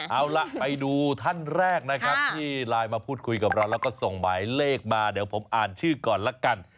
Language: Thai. เอาล่ะไปดูท่านแรกนะครับที่ไลน์มาพูดคุยกับเราแล้วก็ส่งหมายเลขมาเดี๋ยวผมอ่านชื่อก่อนละกัน